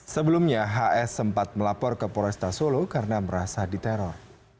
sebelumnya hs sempat melapor ke polresta solo karena merasa diteror